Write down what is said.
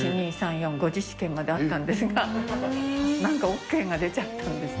１、２、３、４、５次試験まであったんですが、なんかＯＫが出ちゃったんです。